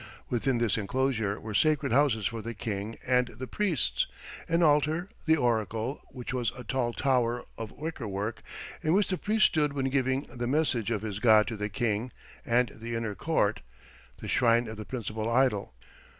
Within this inclosure were sacred houses for the king and the priests, an altar, the oracle, which was a tall tower of wicker work, in which the priest stood when giving the message of his god to the king, and the inner court the shrine of the principal idol.